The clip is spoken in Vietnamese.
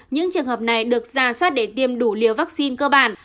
những trường hợp này được ra soát để tiêm đủ liều vaccine cơ bản